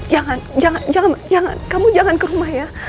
jangan jangan kamu jangan ke rumah ya